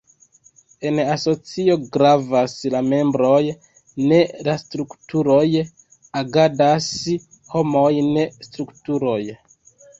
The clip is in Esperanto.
En asocio gravas la membroj ne la strukturoj; agadas homoj ne strukturoj.